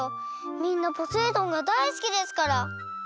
みんなポセイ丼がだいすきですから。